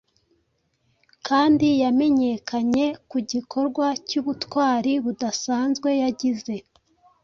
kandi yamenyekanye ku gikorwa cy’ubutwari budasanzwe yagize